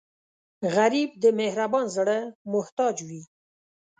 غریب د مهربان زړه محتاج وي